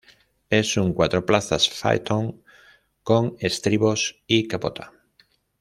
Es un cuatro plazas faetón con estribos y capota.